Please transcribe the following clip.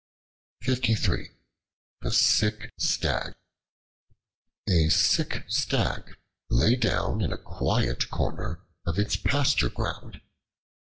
The Sick Stag A SICK STAG lay down in a quiet corner of its pasture ground.